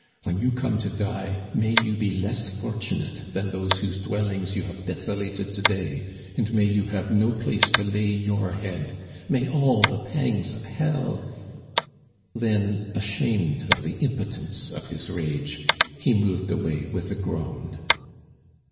When you come to die may you be less fortunate than those whose dwellings you have desolated to day, and may you have no place to lay your head ! May all the pangs of hell —" Then, ashamed of the impotence of his rage, he moved away with a groan. Digitized by VjOOQIC 176 THE CANADIANS OF OLD.